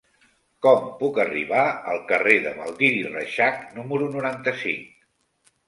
Com puc arribar al carrer de Baldiri Reixac número noranta-cinc?